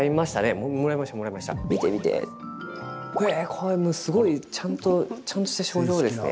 これすごい、ちゃんとちゃんとした賞状ですね。